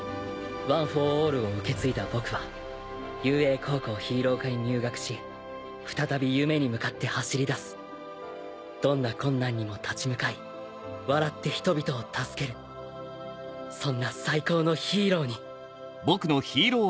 ワン・フォー・オールを受け継いだ僕は雄英高校ヒーロー科に入学し再び夢に向かって走り出すどんな困難にも立ち向かい笑って人々を助けるそんな最高のヒーローに！